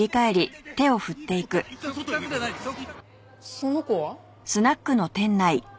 その子は？